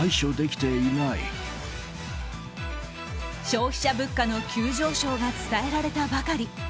消費者物価の急上昇が伝えられたばかり。